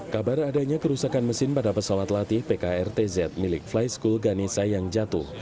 kabar adanya kerusakan mesin pada pesawat latih pkrtz milik fly school ganesa yang jatuh